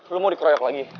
lo mau dikeroyok lagi